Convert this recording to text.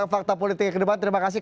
fakta politiknya ke depan terima kasih